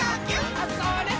あ、それっ！